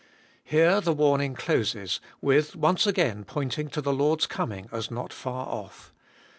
Here the warning closes with once again pointing to the Lord's coming as not far off.